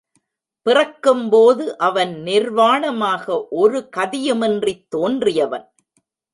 பிறக்கும்போது அவன் நிர்வாணமாக ஒரு கதியுமின்றித் தோன்றியவன்.